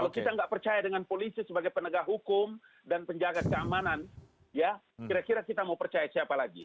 kalau kita nggak percaya dengan polisi sebagai penegak hukum dan penjaga keamanan ya kira kira kita mau percaya siapa lagi